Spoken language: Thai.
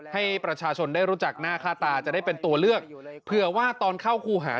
ให้ประชาชนได้รู้จักหน้าค่าตาจะได้เป็นตัวเลือกเผื่อว่าตอนเข้าครูหา